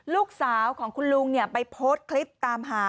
ลูกสาวของคุณลุงไปโพสต์คลิปตามหา